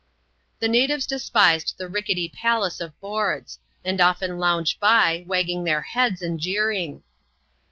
The natives despised the rickety palace of boards ; and often lounged by, wagging their heads, and jeering.